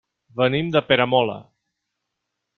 Venim de Peramola.